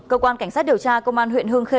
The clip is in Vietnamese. cơ quan cảnh sát điều tra công an huyện hương khê